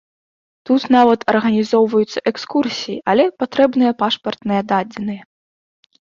Тут нават арганізоўваюцца экскурсіі, але патрэбныя пашпартныя дадзеныя.